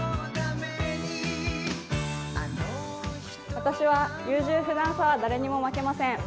私は優柔不断さは誰にも負けません。